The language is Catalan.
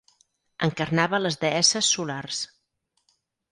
Encarnava les deesses solars.